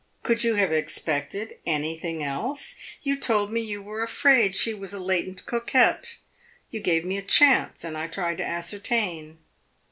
Could you have expected anything else? You told me you were afraid she was a latent coquette. You gave me a chance, and I tried to ascertain."